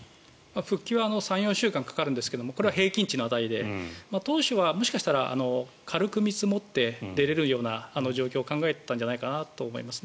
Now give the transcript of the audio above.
復帰は３４週間かかるんですがこれは平均値の値で当初はもしかしたら軽く見積もって出れるような状況を考えていたんじゃないかなと思います。